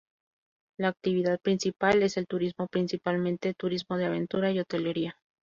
La actividad principal es el turismo, principalmente turismo de aventura y hotelería.